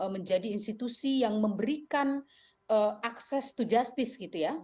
menjadi institusi yang memberikan access to justice gitu ya